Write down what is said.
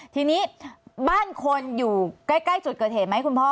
ทีนี้บ้านคนอยู่ใกล้จุดเกิดเหตุไหมคุณพ่อ